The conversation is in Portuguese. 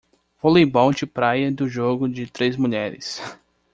Voleibol de praia do jogo de três mulheres.